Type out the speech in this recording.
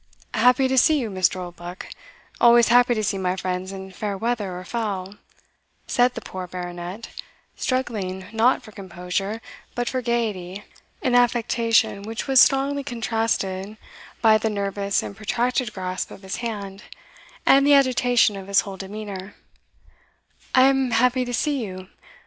"Happy to see you, Mr. Oldbuck always happy to see my friends in fair weather or foul," said the poor Baronet, struggling not for composure, but for gaiety an affectation which was strongly contrasted by the nervous and protracted grasp of his hand, and the agitation of his whole demeanour "I am happy to see you.